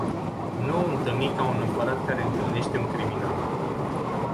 Nu o intalni ca un Imparat care intalneste un criminal.